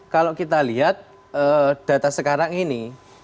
kalau kita lihat data sekarang ini